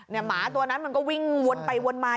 หมาตัวนั้นมันก็วิ่งวนไปวนมา